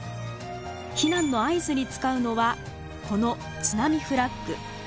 避難の合図に使うのはこの津波フラッグ。